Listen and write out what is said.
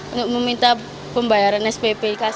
untuk meminta pembayaran spp